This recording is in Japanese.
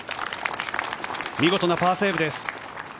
見事なパーセーブです。